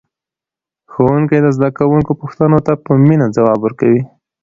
ښوونکی د زده کوونکو پوښتنو ته په مینه ځواب ورکوي